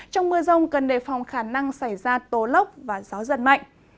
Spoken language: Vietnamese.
trong mưa rông cần đề phòng khả năng xảy ra tố lốc và gió giật mạnh